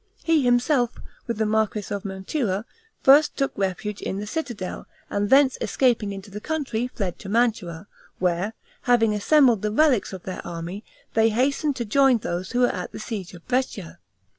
He himself, with the marquis of Mantua, first took refuge in the citadel, and thence escaping into the country, fled to Mantua, where, having assembled the relics of their army, they hastened to join those who were at the siege of Brescia.